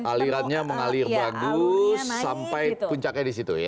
alirannya mengalir bagus sampai puncaknya di situ ya